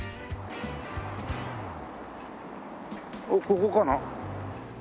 おっここかな？